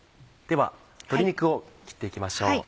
では鶏肉を切って行きましょう。